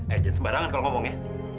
agent sembarangan kalau ngomong ya